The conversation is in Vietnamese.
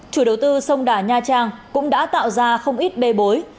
chủ đầu tư sông đà nha trang cũng đã tạo ra không ít bê bối